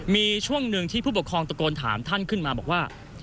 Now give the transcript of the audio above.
มีช่วงหนึ่งที่ผู้ปกครองตะโกนถามท่านขึ้นมาบอกว่า